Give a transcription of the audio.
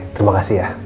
terima kasih ya